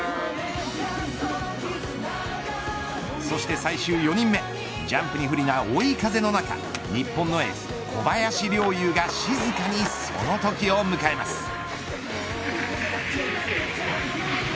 そして最終４人目ジャンプに不利な追い風の中日本のエース、小林陵侑が静かにそのときを迎えます。